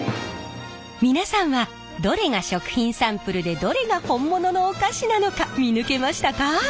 皆さんはどれが食品サンプルでどれが本物のお菓子なのか見抜けましたか？